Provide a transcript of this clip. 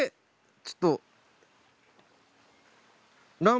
ちょっと。